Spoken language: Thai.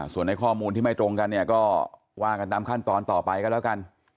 ส่วนในข้อมูลที่ไม่ตรงกันเนี่ยก็ว่ากันตามขั้นตอนต่อไปก็แล้วกัน